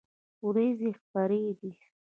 ورېځې خپری دي